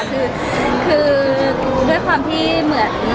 คือด้วยความที่เหมือน